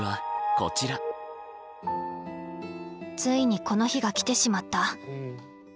ついにこの日が来てしまった。